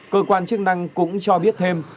cơ quan chức năng cũng cho biết thêm